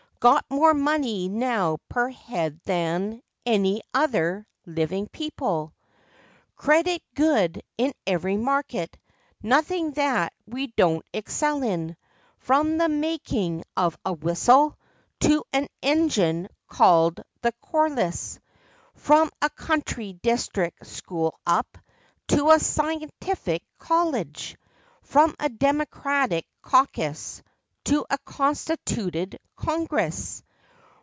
Got more money now per head than Any other living people ! FACTS AND FANCIES. Credit good in every market! Nothing that we don't excel in, From the making of a whistle To an engine called 'the Corliss;' From a country district school up To a scientific college ; From a Democratic caucus To a constituted Congress!